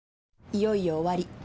いよいよ終わり。